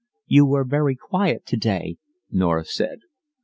"You're very quiet today," Norah said.